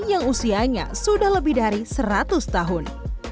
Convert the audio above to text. yang usianya sudah lebih dari seratus tahun